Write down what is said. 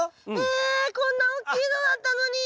えっこんな大きいのだったのに！